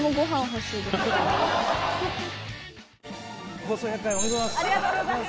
放送１００回おめでとうございます。